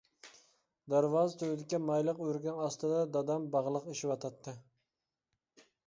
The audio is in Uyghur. دەرۋازا تۈۋىدىكى مايلىق ئۆرۈكنىڭ ئاستىدا دادام باغلىق ئېشىۋاتاتتى.